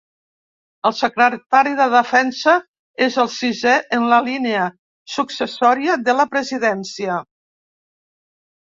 El secretari de Defensa és el sisè en la línia successòria de la presidència.